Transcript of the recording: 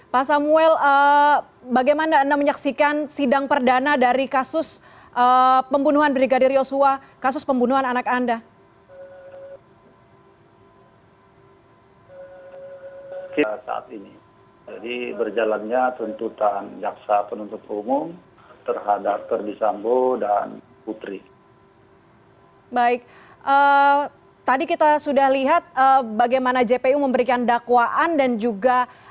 pak samuel bagaimana anda menyaksikan sidang perdana dari kasus pembunuhan brigadir yosua kasus pembunuhan anak anda